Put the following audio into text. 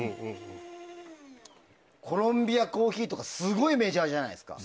コロンビアコーヒーってすごいメジャーじゃないですか。